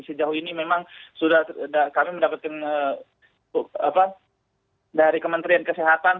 sejauh ini memang sudah kami mendapatkan dari kementerian kesehatan